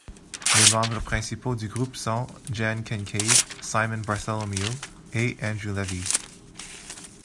Les membres principaux du groupe sont Jan Kincaid, Simon Bartholomew et Andrew Levy.